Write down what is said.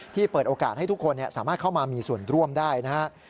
เปิดโอกาสให้ทุกคนสามารถเข้ามามีส่วนร่วมได้นะครับ